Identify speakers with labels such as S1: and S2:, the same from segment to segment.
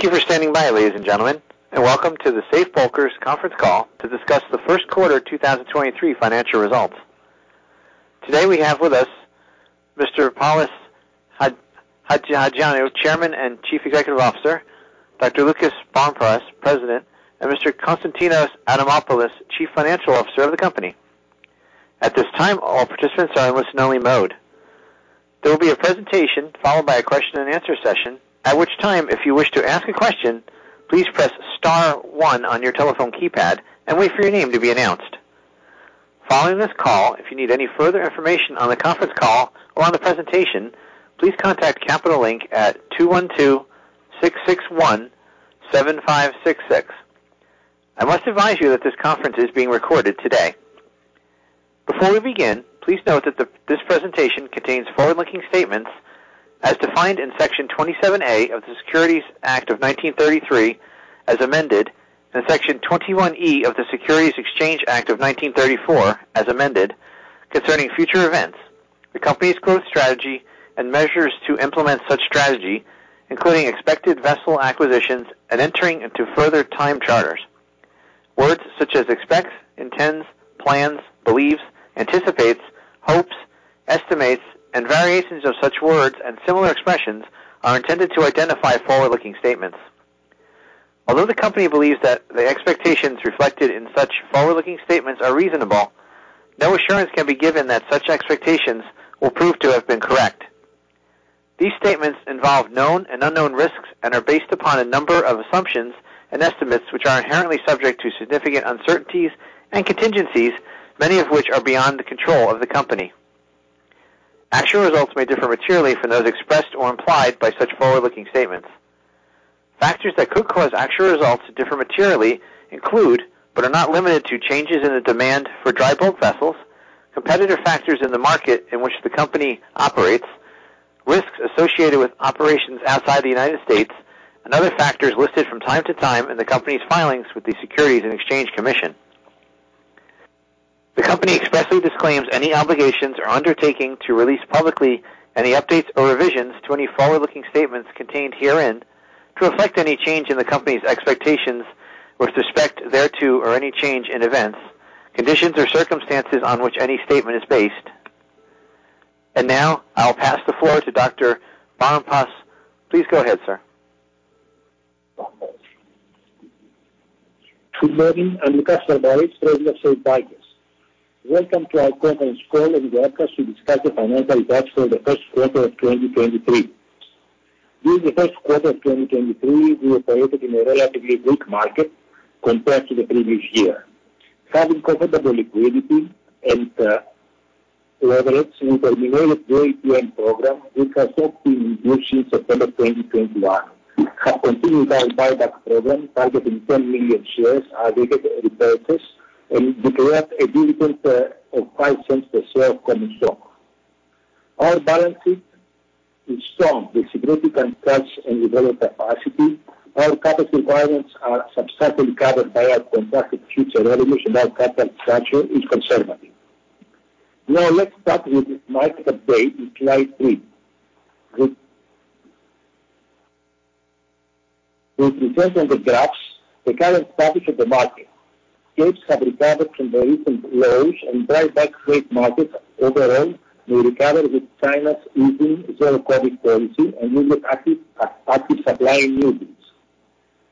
S1: Thank you for standing by, ladies and gentlemen, and welcome to the Safe Bulkers conference call to discuss the first quarter 2023 financial results. Today we have with us Mr. Polys Hajioannou, Chairman and Chief Executive Officer, Dr. Loukas Barmparis, President, and Mr. Konstantinos Adamopoulos, Chief Financial Officer of the company. At this time, all participants are in listen only mode. There will be a presentation followed by a question-and-answer session. At which time, if you wish to ask a question, please press star one on your telephone keypad and wait for your name to be announced. Following this call, if you need any further information on the conference call or on the presentation, please contact Capital Link at 212-661-7566. I must advise you that this conference is being recorded today. Before we begin, please note that this presentation contains forward-looking statements as defined in Section 27A of the Securities Act of 1933 as amended, and Section 21E of the Securities Exchange Act of 1934 as amended concerning future events, the company's growth strategy and measures to implement such strategy, including expected vessel acquisitions and entering into further time charters. Words such as expect, intends, plans, believes, anticipates, hopes, estimates, and variations of such words and similar expressions are intended to identify forward-looking statements. Although the company believes that the expectations reflected in such forward-looking statements are reasonable, no assurance can be given that such expectations will prove to have been correct. These statements involve known and unknown risks and are based upon a number of assumptions and estimates which are inherently subject to significant uncertainties and contingencies, many of which are beyond the control of the company. Actual results may differ materially from those expressed or implied by such forward-looking statements. Factors that could cause actual results to differ materially include, but are not limited to changes in the demand for dry bulk vessels, competitive factors in the market in which the company operates, risks associated with operations outside the United States, and other factors listed from time to time in the company's filings with the Securities and Exchange Commission. The company expressly disclaims any obligations or undertaking to release publicly any updates or revisions to any forward-looking statements contained herein to reflect any change in the company's expectations with respect thereto, or any change in events, conditions or circumstances on which any statement is based. Now I'll pass the floor to Dr. Barmparis. Please go ahead, sir.
S2: Good morning. I'm Loukas Barmparis, President of Safe Bulkers. Welcome to our conference call and webcast to discuss the financial results for the first quarter of 2023. During the first quarter of 2023, we operated in a relatively weak market compared to the previous year. Having comfortable liquidity and leverage, we terminated the ATM Program which was opted in June, September 2021. Have continued our buyback program, targeting 10 million shares aggregate repurchase and declared a dividend of $0.05 per share of common stock. Our balance sheet is strong with significant cash and developed capacity. Our capital requirements are substantially covered by our contracted future earnings and our capital structure is conservative. Let's start with market update in slide three. Presents on the graphs the current status of the market. Rates have recovered from the recent lows and dry bulk freight markets overall may recover with China's easing zero-COVID policy and newly active supply in new builds.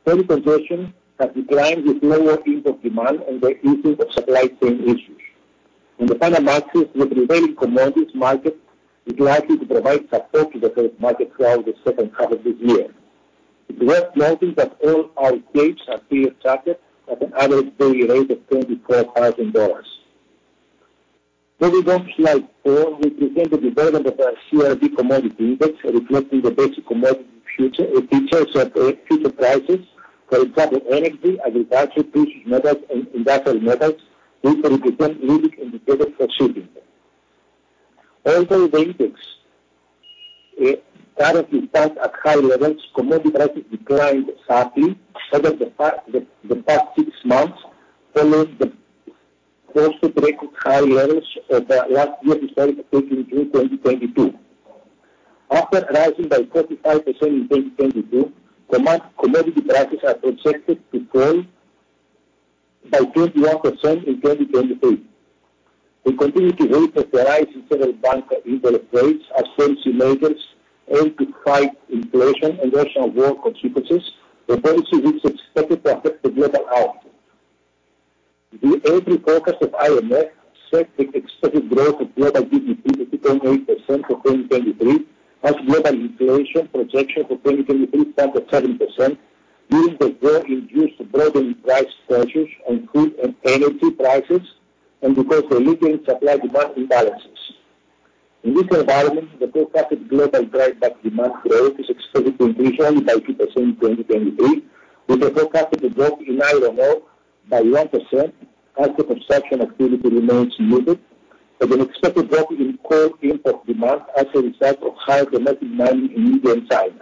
S2: Freight congestion has declined with lower import demand and the easing of supply chain issues. In the Panamax, the prevailing commodities market is likely to provide support to the current market throughout the second half of this year. It's worth noting that all our rates are clear charter at an average daily rate of $24,000. Moving on slide four, we present the development of our CRB Commodity Index, reflecting the basic commodity future features of future prices. For example, energy, agriculture, precious metals and industrial metals, which represent leading indicators for shipping. Although the index currently stands at high levels, commodity prices declined sharply over the past six months, following the post-record high levels of the last year of 2022. After rising by 45% in 2022, commodity prices are projected to fall by 21% in 2023. We continue to weigh the rise in federal bank interest rates as policy makers aim to fight inflation and Russian war consequences, the policy which is expected to affect the global output. The early forecast of IMF set the expected growth of global GDP to 2.8% for 2023 as global inflation projection for 2023 stands at 7% due to the war-induced broadening price pressures on food and energy prices and because of lingering supply demand imbalances. In this environment, the contracted global dry bulk demand growth is expected to increase only by 2% in 2023, with a forecasted drop in iron ore by 1% as construction activity remains muted and an expected drop in coal import demand as a result of higher domestic mining in India and China.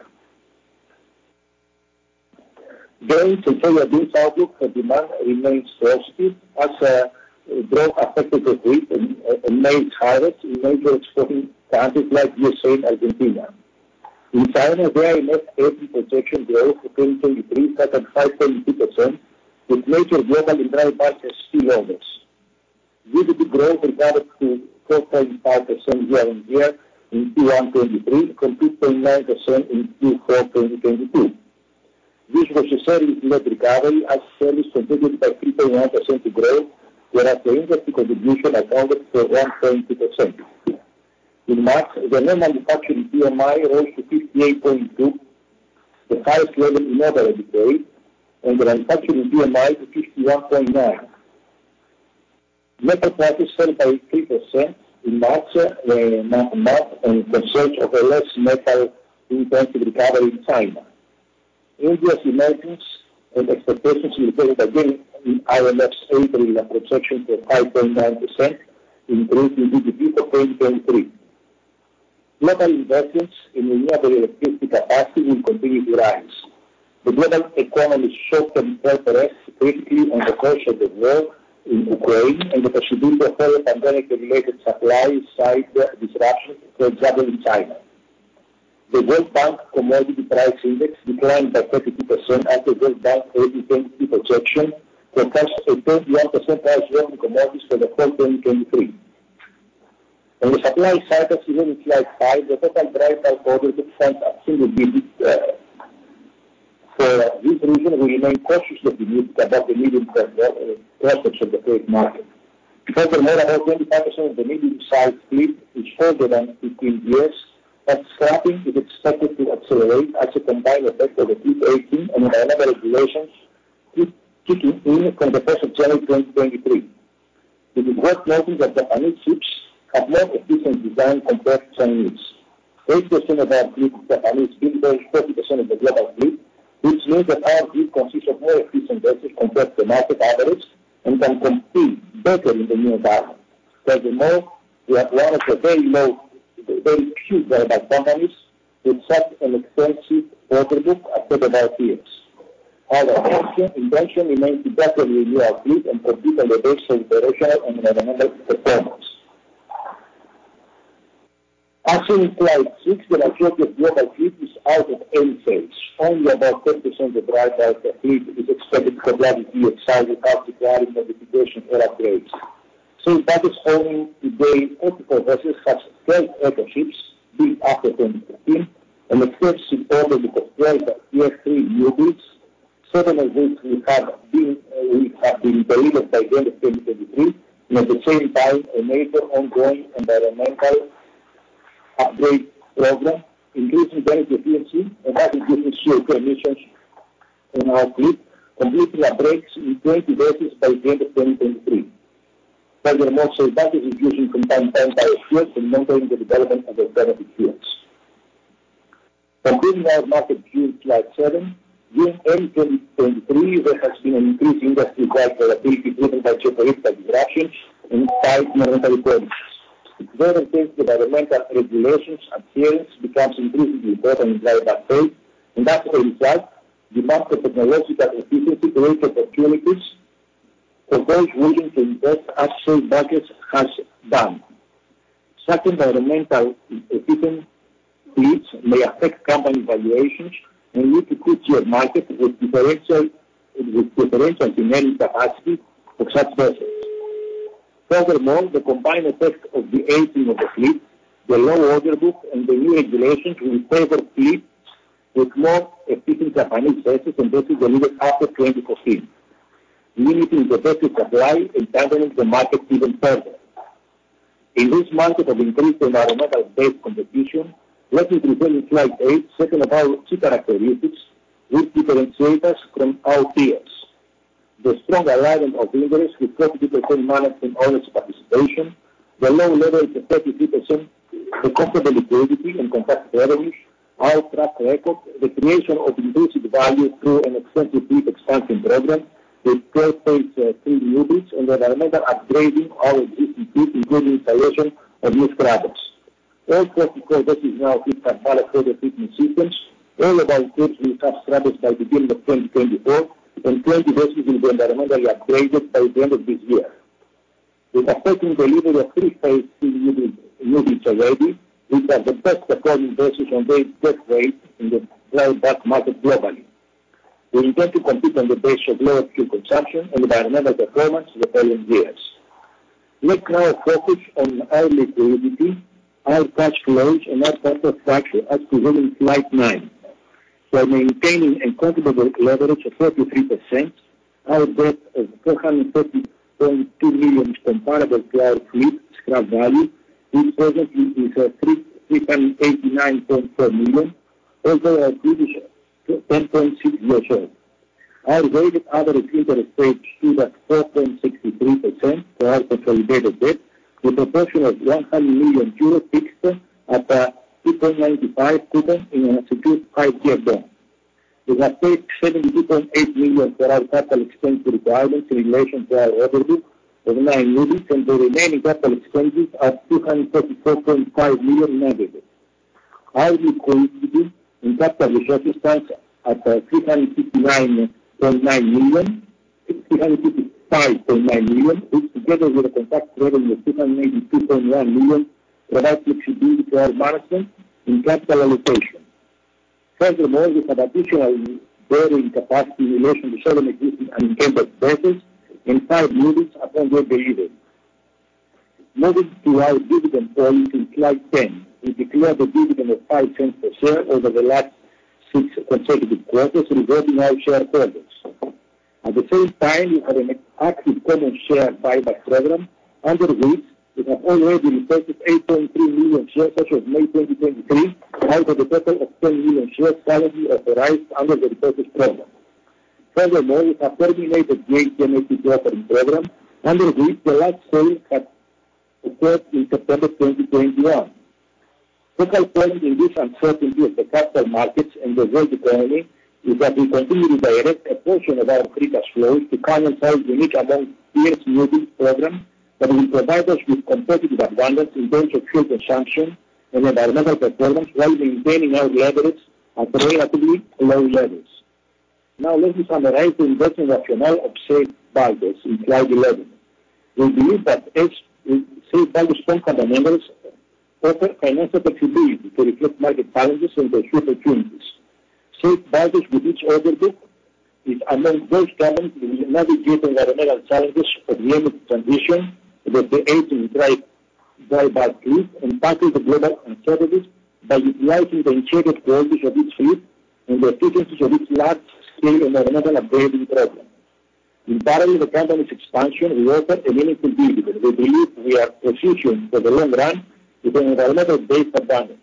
S2: During the period of this outlook, the demand remains positive as growth affected the rate and made targets in major exporting countries like USA and Argentina. In China, there are no current projection growth for 2023 set at 5.2%, with major global dry bulk as still others. GDP growth regarded to 4.5% year-on-year in first quarter 2023 from 2.9% in fourth quarter 2022. This was a steady recovery as sales contributed by 3.1% growth, where our industry contribution accounted for 1.2%. In March, the non-manufacturing PMI rose to 58.2, the highest level in over a decade, and the manufacturing PMI to 51.9. Metal prices fell by 3% in March in the search of a less metal-intensive recovery in China. India's emergence and expectations improved again in IMF's April production to 5.9%, increasing GDP for 2023. Global investments in renewable electricity capacity will continue to rise. The global economy's short-term progress, critically on the course of the war in Ukraine and the pursuit of health pandemic and related supply-side disruptions, for example, in China. The World Bank Commodity Price Index declined by 32% after World Bank early 2022 projection, with prices at 31% rise in raw commodities for the whole 2023. On the supply side, as we move to slide 5, the total dry bulk order book stands at single digits. For this reason, we remain cautiously optimistic about the medium-term prospects of the trade market. Furthermore, about 25% of the medium-sized fleet is older than 15 years, but scrapping is expected to accelerate as a combined effect of the fleet aging and environmental regulations kicking in from the first of January 2023. It is worth noting that Japanese ships have more efficient design compared to Chinese. 8% of our fleet is Japanese-built, versus 40% of the global fleet, which means that our fleet consists of more efficient vessels compared to market average and can compete better in the new environment. Furthermore, we are one of the very low, very few global companies with such an extensive order book ahead of our peers. Our expansion intention remains to better renew our fleet and further elevation operational and environmental performance. As we move to slide six, the majority of global fleet is out of age. Only about 10% of the dry bulk fleet is expected to probably be exiled without requiring modification or upgrades. That is holding today, 44 vessels has 12 eco ships built after 2015, the fleet is almost comprised of phase III newbuilds, seven of which will have been delivered by the end of 2023, at the same time enable ongoing environmental upgrade program, increasing energy efficiency and reducing CO2 emissions in our fleet, completing upgrades in 20 vessels by the end of 2023. Furthermore, Seabird is using combined time by a year for monitoring the development of alternative fuels. Continuing our market view, slide seven. During 2023, there has been an increased industry-wide volatility driven by geopolitical disruptions and high environmental policies. In today's environmental regulations, appearance becomes increasingly important in dry bulk trade, as a result, demand for technological efficiency creates opportunities for those willing to invest as Seabird has done. Such environmental efficient fleets may affect company valuations and lead to good year market with differential demand capacity for such vessels. The combined effect of the aging of the fleet, the low order book, and the new regulations will favor fleets with more efficient Japanese vessels and vessels delivered after 2015, limiting the vessel supply and balancing the market even further. In this market of increased environmental-based competition, let us move on to slide eight, second of our key characteristics which differentiate us from our peers. The strong alignment of interests with 40% managed in owners' participation, the low leverage of 33%, the comfortable liquidity and compact leverage, our track record, the creation of intrinsic value through an extensive fleet expansion program with 12 phase III newbuilds, and environmental upgrading our existing fleet, including installation of new scrubbers. All 44 vessels in our fleet have Ballast Water Treatment Systems. All of our ships will have scrubbers by the beginning of 2024, and 20 vessels will be environmentally upgraded by the end of this year. We are expecting delivery of three phase III newbuilds already, which are the best performing vessels on their deadweight in the dry bulk market globally. We intend to compete on the base of lower fuel consumption and environmental performance in the following years. Let's now focus on our liquidity, our cash flows, and our capital structure as per moving slide nine. We are maintaining a comfortable leverage of 43%. Our debt of $430.2 million is comparable to our fleet scrap value, which presently is $389.4 million, although our debt is 10.6 years old. Our weighted average interest rate stood at 4.63% for our consolidated debt, with a portion of 100 million euro fixed at a 2.95 coupon in an issued five-year bond. We have paid $72.8 million for our capital expense requirements in relation to our order book of nine newbuilds, and the remaining capital expenses are $234.5 million net of it. Our liquidity and capital ratios stand at $359.9 million, $355.9 million, which together with a contract revenue of $392.1 million provides liquidity to our balance sheet and capital allocation. Furthermore, we have additional borrowing capacity in relation to seven existing and in-tempo vessels and five newbuilds upon delivery. Moving to our dividend policy in slide 10, we declared a dividend of $0.05 per share over the last six consecutive quarters, rewarding our shareholders. At the same time, we have an active common share buyback program under which we have already repurchased 8.3 million shares as of May 2023 out of a total of 10 million shares currently authorized under the repurchase program. Furthermore, we have terminated the ATM program under which the last sale had occurred in September 2021. Central point in this uncertainty of the capital markets and the world economy is that we continue to direct a portion of our free cash flows to counter our unique among peers newbuild program that will provide us with competitive advantage in terms of fuel consumption and environmental performance while maintaining our leverage at very, really low levels. Now let me summarize the investment rationale of Safe Bulkers in slide 11. We believe that Safe Bulkers' strong fundamentals offer financial flexibility to reflect market balances and pursue opportunities. Safe Bulkers with its order book is among those companies navigating environmental challenges of the energy transition with the aim to drive back risk and tackle the global authorities by utilizing the integrated qualities of its fleet and the efficiencies of its large-scale environmental upgrading program. In parallel with the company's expansion, we offer a meaningful dividend. We believe we are positioned for the long run with an environmental-based advantage.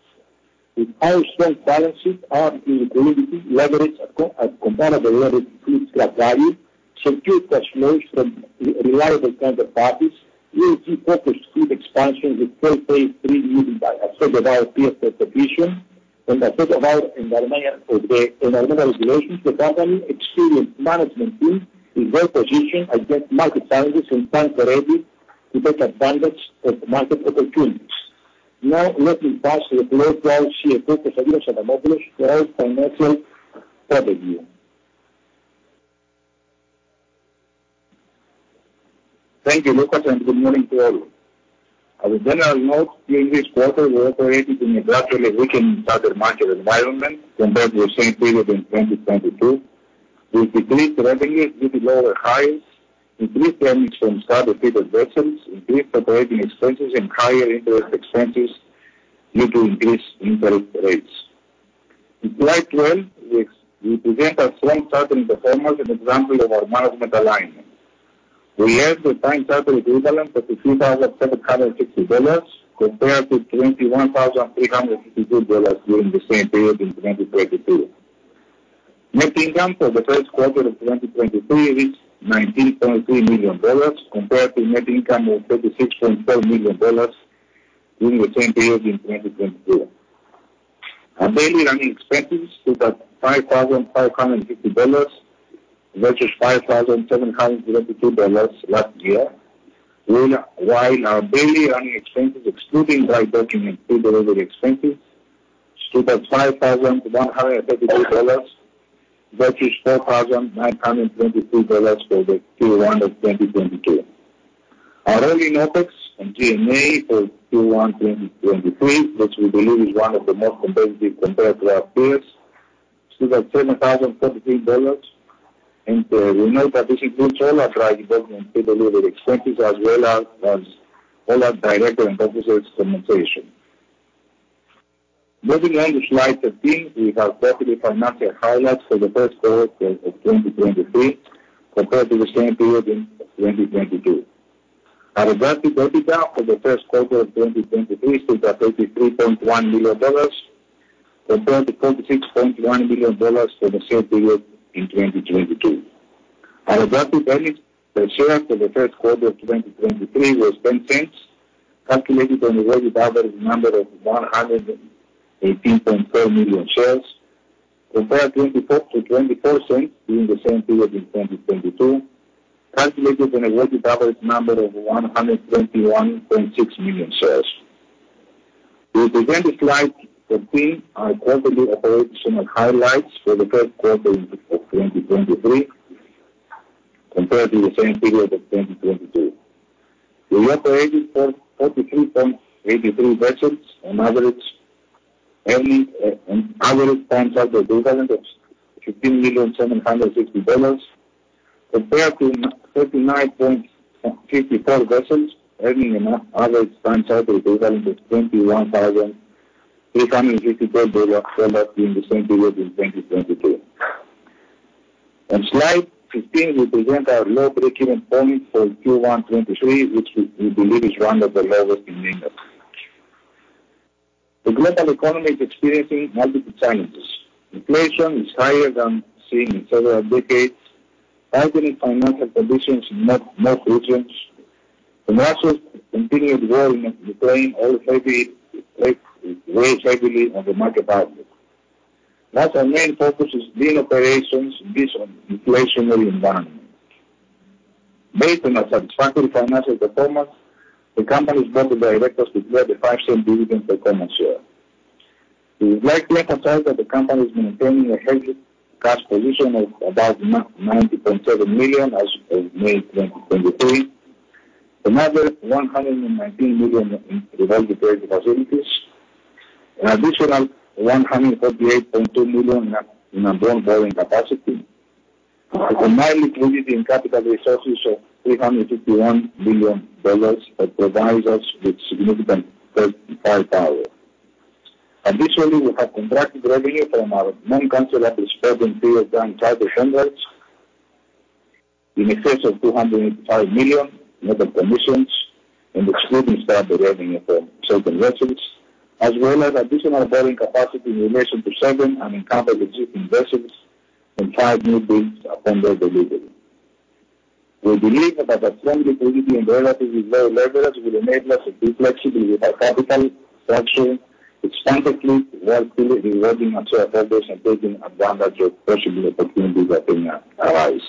S2: With our strong balances, our liquidity leverage at comparable levels to fleet scrap value, secure cash flows from reliable charter parties, ESG-focused fleet expansion with 12 to 13 newbuilds, a total of our peer competition and the environmental regulations, a company experienced management team is well-positioned against market challenges and stands ready to take advantage of market opportunities. Let me pass to the floor to our CFO, Konstantinos Adamopoulos, for our financial overview.
S3: Thank you, Loukas. Good morning to all. As a general note, during this quarter, we operated in a gradually weakening charter market environment compared to the same period in 2022, with decreased revenues due to lower hires, increased earnings from charter-fixed vessels, increased operating expenses, and higher interest expenses due to increased interest rates. In slide 12, we present our strong chartering performance, an example of our management alignment. We earned a Time Charter Equivalent of $2,760 compared to $21,352 during the same period in 2022. Net income for the first quarter of 2023 is $19.3 million compared to net income of $36.4 million during the same period in 2022. Our daily running expenses stood at $5,550 versus $5,732 last year, while our daily running expenses excluding dry docking and pre-delivery expenses stood at $5,133 versus $4,922 for the first quarter of 2022. Our all-in OPEX and G&A for first quarter 2023, which we believe is one of the most competitive compared to our peers, stood at $10,033. We note that this includes all our dry docking and pre-delivery expenses as well as all our director and officers' compensation. Moving on to slide 13, we have quarterly financial highlights for the first quarter of 2023 compared to the same period in 2022. Adjusted EBITDA for the first quarter of 2023 stood at $33.1 million compared to $46.1 million for the same period in 2022. Adjusted earnings per share for the first quarter of 2023 was $0.10, calculated on a weighted average number of 118.4 million shares, compared to $0.24 during the same period in 2022, calculated on a weighted average number of 121.6 million shares. With the end of slide 15, our quarterly operational highlights for the first quarter of 2023 compared to the same period of 2022. We operated 43.83 vessels on average, earning an average Time Charter Equivalent of $15,000,760 compared to 39.54 vessels, earning an average Time Charter Equivalent of $21,364 during the same period in 2022. On slide 15, we present our low breakeven point for first quarter 2023, which we believe is one of the lowest in the industry. The global economy is experiencing multiple challenges. Inflation is higher than seen in several decades, tightening financial conditions in most regions, commercial continued war in Ukraine also weighs heavily on the market outlook. Thus, our main focus is lean operations in this inflationary environment. Based on a satisfactory financial performance, the company's board of directors declared a $0.05 dividend per common share. We would like to emphasize that the company is maintaining a healthy cash position of about $90.7 million as of May 2023. Another $119 million in revolving credit facilities. An additional $148.2 million in available borrowing capacity. Combined liquidity and capital resources of $351 billion that provides us with significant flexibility and firepower. Additionally, we have contracted revenue from our non-cancelable spot and time charter contracts in excess of $285 million, including commissions and excluding standard revenue from certain vessels, as well as additional borrowing capacity in relation to seven unencumbered existing vessels and five newbuilds upon their delivery. We believe that our strong liquidity and relatively low leverage will enable us the flexibility of our capital structure, which fundamentally while fully reloading ourselves and taking advantage of possible opportunities that may arise.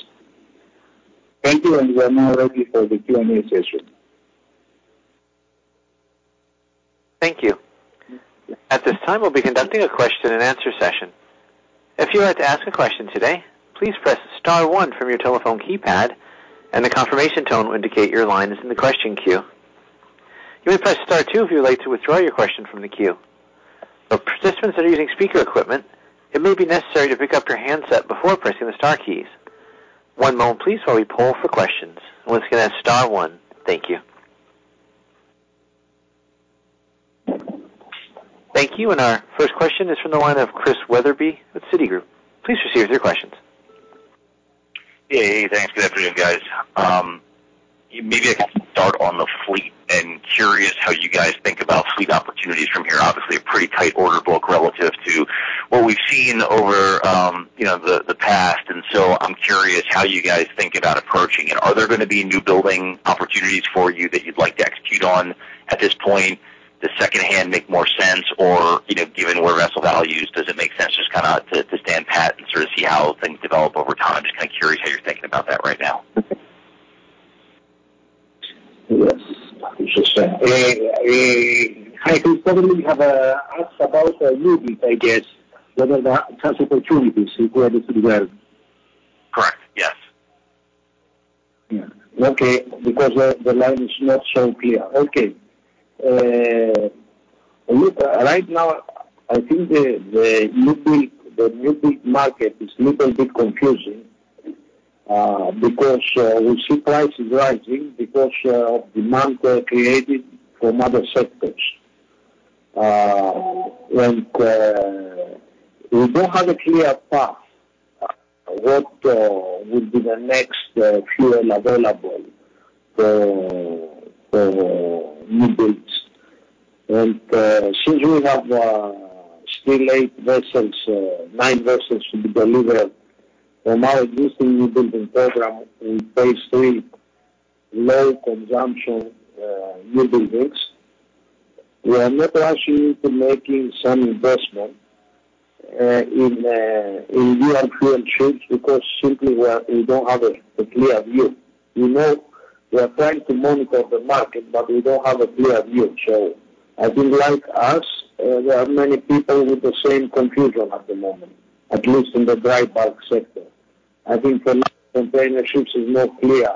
S3: Thank you. We are now ready for the Q&A session.
S1: Thank you. At this time, we'll be conducting a question-and-answer session. If you'd like to ask a question today, please press star one from your telephone keypad, and the confirmation tone will indicate your line is in the question queue. You may press star two if you would like to withdraw your question from the queue. For participants that are using speaker equipment, it may be necessary to pick up your handset before pressing the star keys. One moment please, while we poll for questions. Once again, that's star one. Thank you. Thank you. Our first question is from the line of Christian Wetherbee with Citigroup. Please proceed with your questions.
S4: Yeah. Thanks. Good afternoon, guys. Maybe I can start on the fleet and curious how you guys think about fleet opportunities from here. Obviously, a pretty tight order book relative to what we've seen over, you know, the past. I'm curious how you guys think about approaching it. Are there going to be new building opportunities for you that you'd like to execute on at this point? Does secondhand make more sense or, you know, given where vessel values, does it make sense just kind of to stand pat and sort of see how things develop over time? Just kind of curious how you're thinking about that right now.
S2: Yes. I should say... I can certainly have asked about newbuild, I guess, whether there are such opportunities where the people are.
S4: Correct. Yes.
S2: Yeah. Okay. Because the line is not so clear. Okay. Look, right now, I think the newbuild, the newbuild market is little bit confusing, because we see prices rising because of demand created from other sectors. We don't have a clear path what will be the next fuel available for newbuilds. Since we have still eight vessels, nine vessels to be delivered from our existing newbuilding program in phase III, low consumption, newbuildings, we are not rushing into making some investment in new and fuel ships because simply we don't have a clear view. We know we are trying to monitor the market, but we don't have a clear view. I think like us, there are many people with the same confusion at the moment, at least in the dry bulk sector. I think for now, container ships is more clear.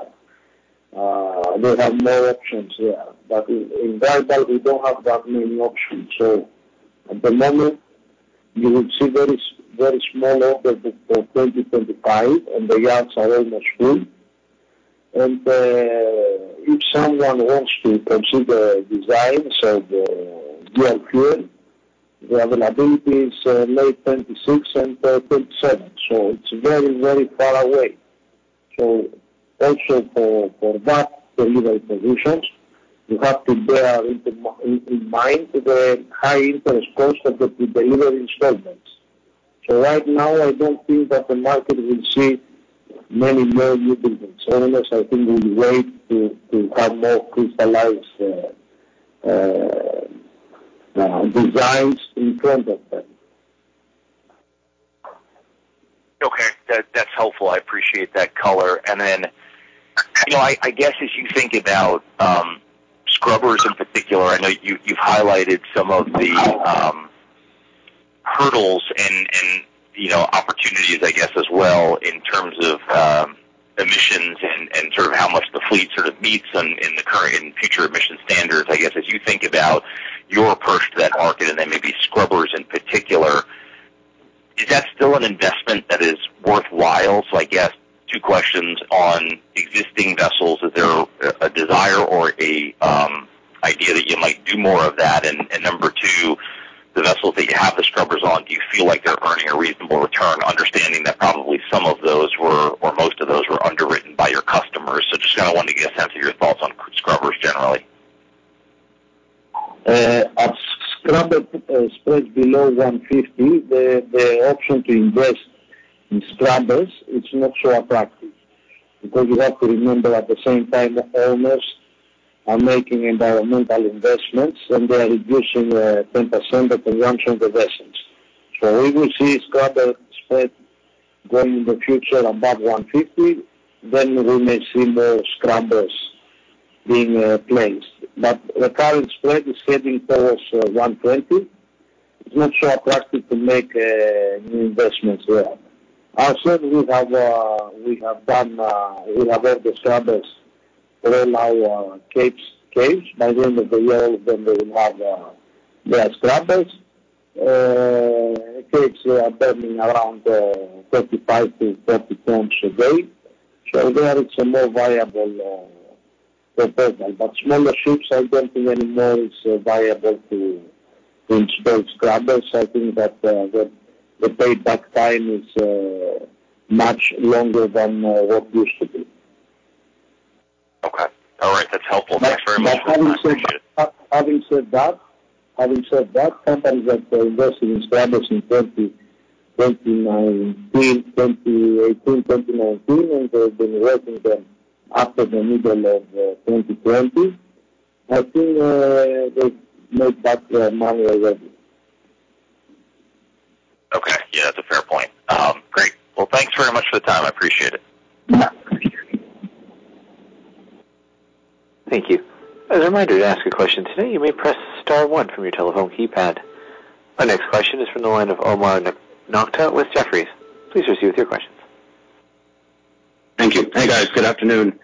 S2: They have more options there. In dry bulk, we don't have that many options. At the moment, you would see very small orders for 2025, and the yards are almost full. If someone wants to consider designs of dual fuel, the availability is late 2026 and 2027, so it's very, very far away. Also, for that delivery positions, you have to bear in mind the high interest cost of the pre-delivery installments. Right now, I don't think that the market will see many more newbuildings. Owners I think will wait to have more crystallized designs in front of them.
S4: Okay. That's helpful. I appreciate that color. Then, you know, I guess as you think about scrubbers in particular, I know you've highlighted some of the hurdles and, you know, opportunities, I guess, as well in terms of emissions and sort of how much the fleet sort of meets in the current and future emissions standards. I guess as you think about your approach to that market and then maybe scrubbers in particular, is that still an investment that is worthwhile? I guess two questions on existing vessels. Is there a desire or a idea that you might do more of that? Number two, the vessels that you have the scrubbers on, do you feel like they're earning a reasonable return, understanding that probably some of those were or most of those were underwritten by your customers? Just kinda wanted to get a sense of your thoughts on scrubbers generally.
S3: As scrubber spreads below 150, the option to invest in scrubbers is not so attractive because you have to remember at the same time, owners are making environmental investments, and they are reducing 10% of consumption of the vessel. We will see scrubber spread going in the future above 150, then we may see more scrubbers being placed. The current spread is heading towards 120. It's not so attractive to make new investments there. As said, we have done, we have all the scrubbers for all our Capesize. By the end of the year, all of them will have their scrubbers. Capesize are burning around 35 to 40 tons a day. There it's a more viable proposal. Smaller ships, I don't think anymore it's viable to install scrubbers. I think that the payback time is much longer than what it used to be.
S4: Okay. All right. That's helpful... Thanks very much for your time. Appreciate it.
S2: Having said that, companies that are investing in scrubbers in 2018, 2019, and they've been working them after the middle of 2020, I think, they've made back their money already.
S4: Okay. Yeah, that's a fair point. Great. Well, thanks very much for the time. I appreciate it.
S2: Yeah. Thank you.
S1: Thank you. As a reminder, to ask a question today, you may press star one from your telephone keypad. Our next question is from the line of Omar Nokta with Jefferies. Please proceed with your questions.
S5: Thank you. Hey, guys. Good afternoon.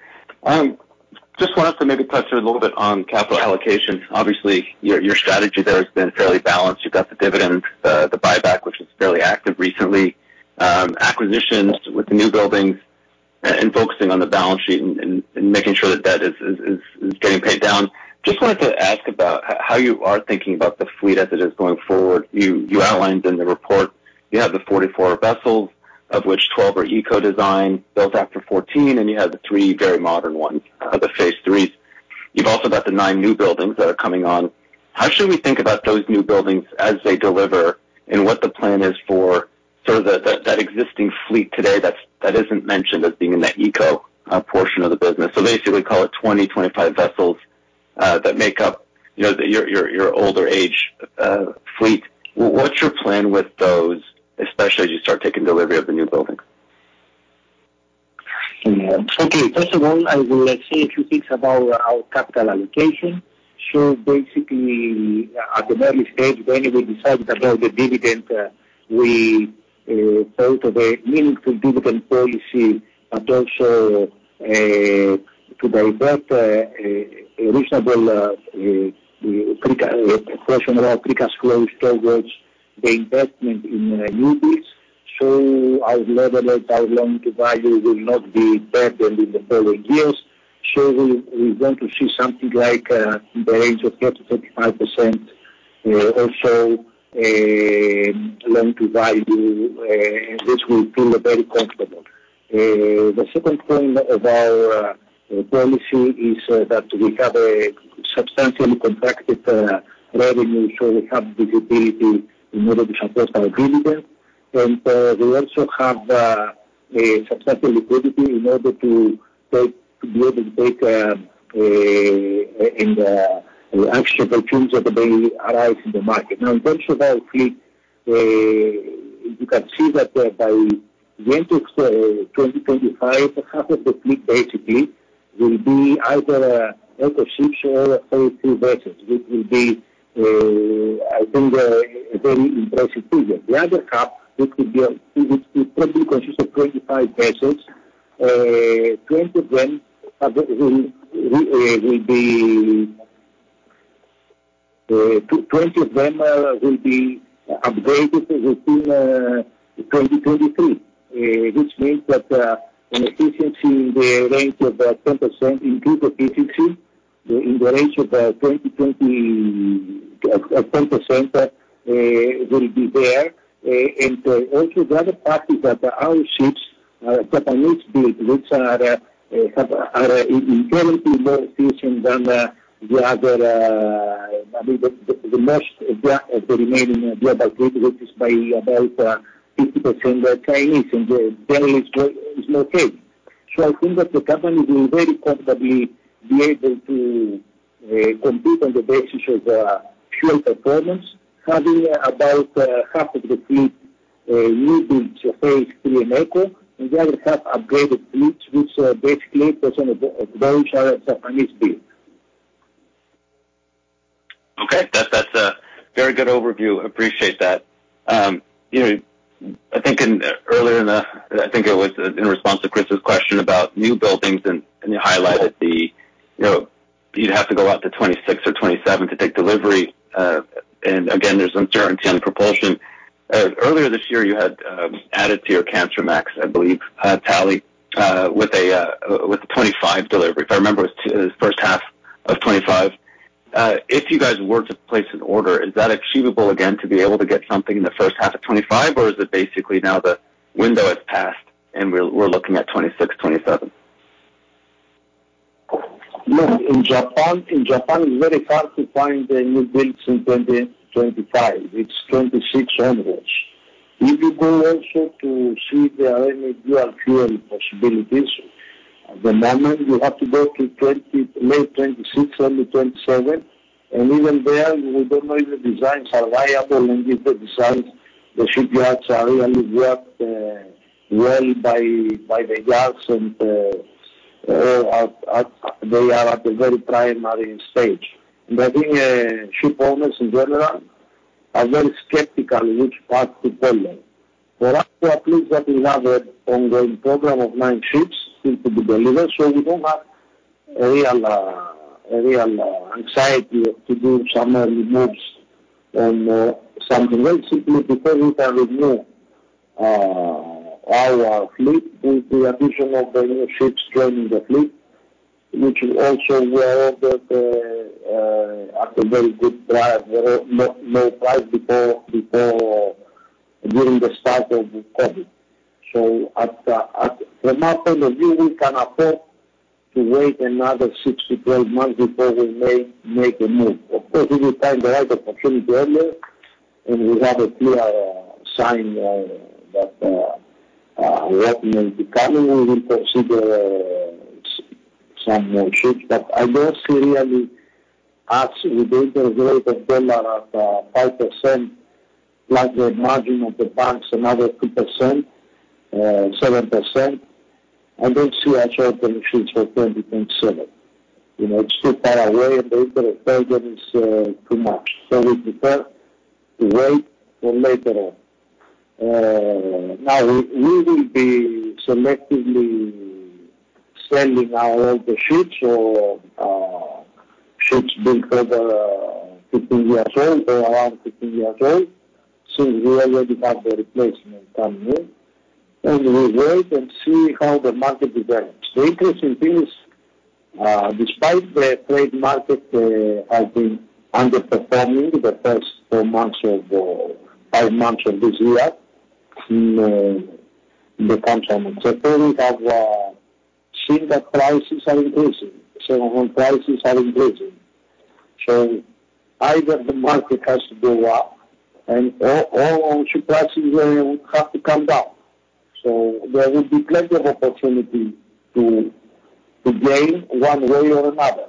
S5: Just wanted to maybe touch a little bit on capital allocation. Obviously, your strategy there has been fairly balanced. You've got the dividend, the buyback, which was fairly active recently. Acquisitions with the new buildings and focusing on the balance sheet and making sure that debt is getting paid down. Just wanted to ask about how you are thinking about the fleet as it is going forward. You, you outlined in the report you have the 44 vessels, of which 12 are eco design, built after 14, and you have the three very modern ones, the phase IIIs. You've also got the nine new buildings that are coming on. How should we think about those new buildings as they deliver and what the plan is for sort of that existing fleet today that's, that isn't mentioned as being in the eco portion of the business. Basically, call it 20 to 25 vessels that make up, you know, your older age fleet. What's your plan with those, especially as you start taking delivery of the new buildings?
S3: Okay. First of all, I will say a few things about our capital allocation. Basically, at the early stage when we decided about the dividend, we thought of a meaningful dividend policy, but also to divert a reasonable question of pre-cash flow towards the investment in new builds. Our level of our Loan-to-Value will not be bad than in the following years. We, we're going to see something like in the range of 30% to 35%, also, Loan-to-Value, this will feel very comfortable. The second point of our policy is that we have a substantially contracted revenue, we have visibility in order to support our dividend. We also have a substantial liquidity in order to be able to take actionable tunes of the day arise in the market. Now, in terms of our fleet, you can see that by the end of 2025, half of the fleet basically will be either eco ships or 43 vessels. Which will be, I think, a very impressive figure. The other half, it probably consists of 25 vessels. 20 of them will be upgraded between 2023. Which means that an efficiency in the range of 10% improved efficiency in the range of 10% will be there. Also, the other fact is that our ships, Japanese build, which are, have, are inherently more efficient than I mean, the most of the remaining global group, which is by about 50% Chinese, and there is no change. I think that the company will very comfortably be able to compete on the basis of fuel performance, having about half of the fleet, new builds of phase III and eco, and the other half upgraded fleets which are basically percent of those are Japanese build.
S5: Okay. That's a very good overview. Appreciate that. You know, I think in earlier in the... I think it was in response to Chris's question about new buildings and you highlighted the, you know, you'd have to go out to 2026 or 2027 to take delivery. Again, there's uncertainty on the propulsion. Earlier this year, you had added to your Kamsarmax, I believe, tally with a 2025 delivery. If I remember, it was first half of 2025. If you guys were to place an order, is that achievable again to be able to get something in the first half of 2025 or is it basically now the window has passed and we're looking at 2026, 2027?
S2: No. In Japan it's very hard to find the new builds in 2025. It's 2026 onwards. If you go also to see the LNG or fuel possibilities. At the moment you have to go to late 2026, early 2027 and even there we don't know if the designs are viable and if the designs, the shipyards are really worked well by the yards and are they are at the very primary stage. I think ship owners in general are very skeptical which path to follow. For us, we are pleased that we have an ongoing program of nine ships still to be delivered. We don't have a real anxiety to do some early moves on something else simply because we can renew our fleet with the addition of the new ships joining the fleet, which also we are ordered at a very good price or no price before, during the start of COVID. From my point of view we can afford to wait another six to 12 months before we may make a move. Of course, if we find the right opportunity earlier and we have a clear sign that what may be coming, we will consider some more ships. I don't see really us with the interest rate of dollar at 5% like the margin of the banks, another 2%, 7%. I don't see us ordering ships for 2027. You know, it's too far away and the interest burden is too much. We prefer to wait for later on. Now we will be selectively selling our older ships or ships built over 15 years old or around 15 years old, since we already have the replacement coming in. We wait and see how the market develops. The interesting thing is despite the trade market has been underperforming the first four months or five months of this year in the containment. So far, we have seen that prices are increasing. Secondhand prices are increasing. Either the market has to go up and or ship prices will have to come down. There will be plenty of opportunity to gain one way or another.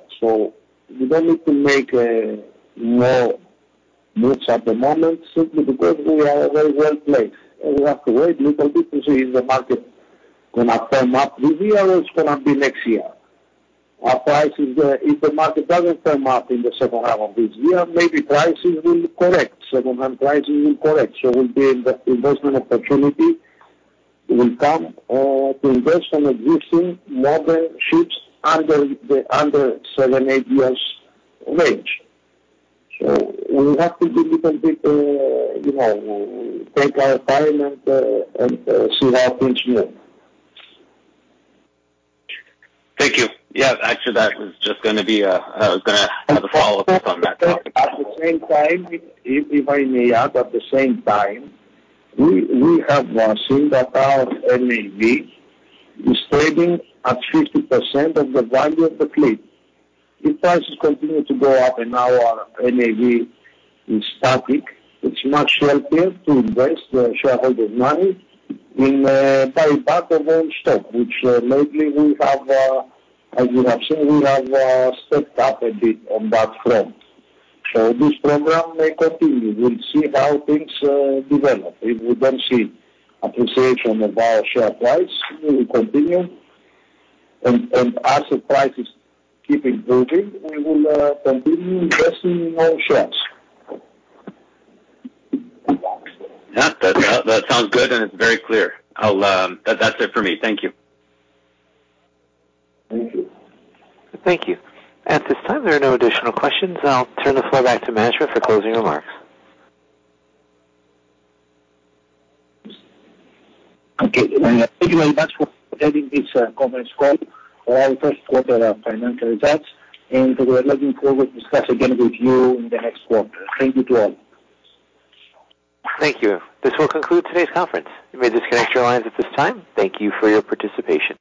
S2: We don't need to make more moves at the moment simply because we are very well placed. We have to wait a little bit to see if the market gonna firm up this year or it's gonna be next year. Our prices, if the market doesn't firm up in the second half of this year, maybe prices will correct, secondhand prices will correct. We'll be in the investment opportunity will come to invest on existing modern ships under the, under seven, eight years range. We have to be a little bit, you know, take our time and see how things move.
S5: Thank you. Actually, that was just gonna be, I was gonna have a follow-up on that call.
S2: At the same time, if I may add, at the same time, we have seen that our NAV is trading at 50% of the value of the fleet. If prices continue to go up and our NAV is static, it's much healthier to invest the shareholder's money in buyback of own stock, which maybe we have, as you have seen, we have stepped up a bit on that front. This program may continue. We'll see how things develop. If we don't see appreciation of our share price, we will continue and as the prices keeping moving, we will continue investing in our ships.
S5: Yeah, that sounds good, and it's very clear. I'll, that's it for me. Thank you.
S2: Thank you.
S1: Thank you. At this time, there are no additional questions. I'll turn the floor back to management for closing remarks.
S2: Okay. Thank you very much for attending this conference call for our first quarter financial results. We're looking forward to discuss again with you in the next quarter. Thank you to all.
S1: Thank you. This will conclude today's conference. You may disconnect your lines at this time. Thank you for your participation.